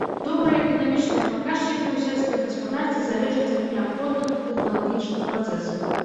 Добрыя эканамічныя паказчыкі ў сельскай гаспадарцы залежаць ад неабходных тэхналагічных працэсаў.